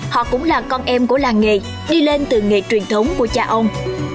họ cũng là con em của làng nghề đi lên từ nghề truyền thống của cha ông